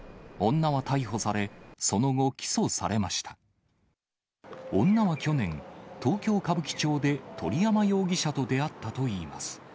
女は去年、東京・歌舞伎町で鳥山容疑者と出会ったといいます。